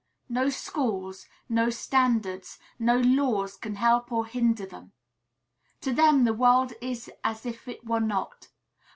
No schools, no standards, no laws can help or hinder them. To them the world is as if it were not.